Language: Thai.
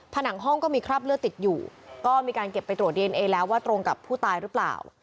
ผนังห้องก็มีคราบเลือดติดอยู่ก็มีการเก็บไปตรวจดีเอนเอแล้วว่าตรงกับผู้ตายหรือเปล่า